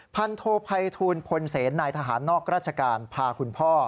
พันโทภัยทูลพลเสนนายทหารนอกราชการพาคุณพ่อ